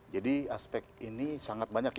jadi aspek ini sangat banyak ya